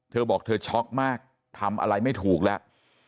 เธอบอกเธอช็อกมากทำอะไรไม่ถูกแล้ว